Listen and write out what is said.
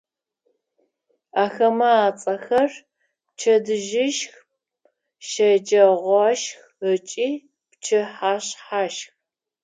Ахэмэ ацӏэхэр: пчэдыжьышх, щэджэгъуашх ыкӏи пчыхьэшъхьашх.